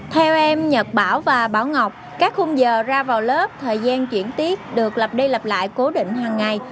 theo em nhật bảo và bảo ngọc các khung giờ ra vào lớp thời gian chuyển tiết được lặp đây lặp lại cố định hàng ngày